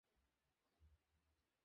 মানুষের যা নেই, তা হচ্ছে ক্লোরোপ্লাসট।